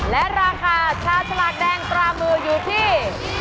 และราคาชาฉลากแดงปลามืออยู่ที่